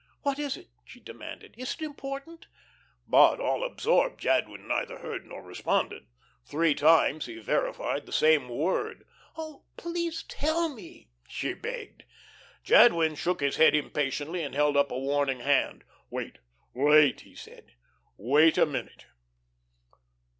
"What is it?" she demanded. "Is it important?" But all absorbed, Jadwin neither heard nor responded. Three times he verified the same word. "Oh, please tell me," she begged. Jadwin shook his head impatiently and held up a warning hand. "Wait, wait," he said. "Wait a minute."